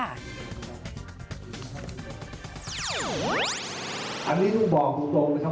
อันนี้ต้องบอกตรงนะครับ